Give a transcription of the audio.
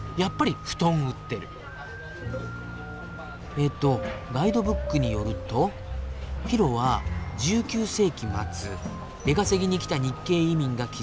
えっとガイドブックによると「ヒロは１９世紀末出稼ぎに来た日系移民が築いた街。